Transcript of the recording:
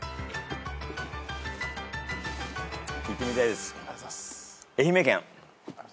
行ってみたいです。